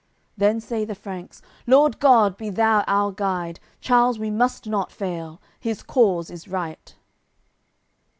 Then say the Franks: "Lord God, be Thou our Guide! Charles we must not fail; his cause is right."